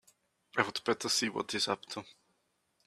I'd better see what he's up to.